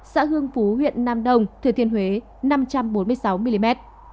xã hương phú huyện nam đông thừa thiên huế năm trăm bốn mươi sáu mm